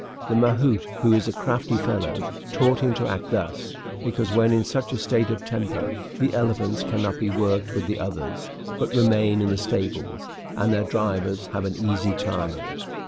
The mahout, who is a crafty fellow, taught him to act thus, because when in such a state of temper the elephants cannot be worked with the others, but remain in the stables, and their drivers have an easy time of it.